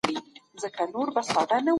د بدو منع کول د هر انسان مسئوليت دی.